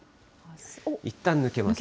いったん抜けます。